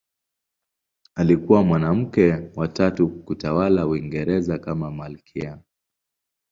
Alikuwa mwanamke wa tatu kutawala Uingereza kama malkia.